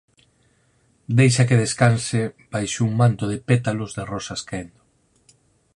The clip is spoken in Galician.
Deixa que descanse baixo un manto de pétalos de rosas caendo.